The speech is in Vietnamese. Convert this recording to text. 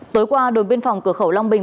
tối qua đội biên phòng cửa khẩu long bình